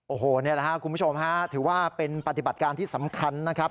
โอ้โหนี่แหละครับคุณผู้ชมฮะถือว่าเป็นปฏิบัติการที่สำคัญนะครับ